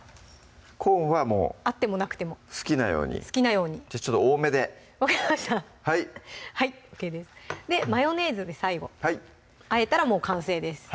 コーンはもう好きなように好きなようにちょっと多めで分かりましたはいはいＯＫですでマヨネーズで最後あえたらもう完成です